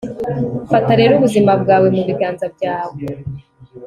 fata rero ubuzima bwawe mu biganza byawe